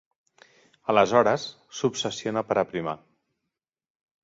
Aleshores s'obsessiona per aprimar.